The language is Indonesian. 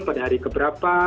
pada hari keberapa